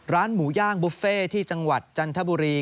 หมูย่างบุฟเฟ่ที่จังหวัดจันทบุรี